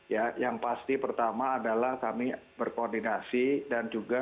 ya yang pasti pertama adalah kami berkoordinasi dan juga